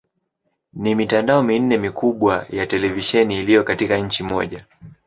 Ni mitandao minne mikubwa ya televisheni iliyo katika nchi moja.